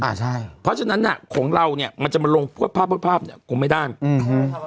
อ่าใช่เพราะฉะนั้นน่ะของเราเนี้ยมันจะมาลงพวกภาพวาดภาพภาพเนี้ยคงไม่ได้อืม